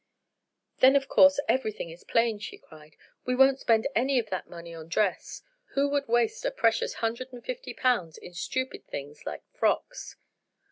"Then, of course, everything is plain," she cried. "We won't spend any of that money on dress. Who would waste a precious hundred and fifty pounds in stupid things like frocks?"